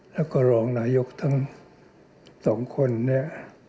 แล้วก็รองนายกทั้ง๒คนนี้